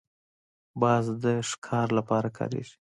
باز د ښکار لپاره کارېږي